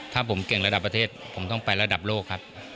ถ้าผมเก่งระดับประเทศผมต้องไประดับโลกครับ